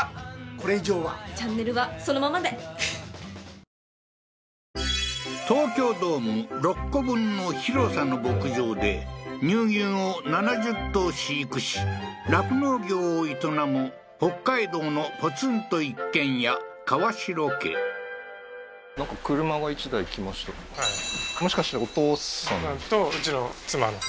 これ以上はチャンネルはそのままでふふっ東京ドーム６個分の広さの牧場で乳牛を７０頭飼育し酪農業を営む北海道のポツンと一軒家川代家はいお父さんと奥さん？